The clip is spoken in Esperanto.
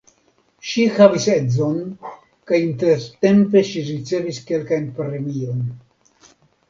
Ŝi havis edzon kaj intertempe ŝi ricevis kelkajn premiojn.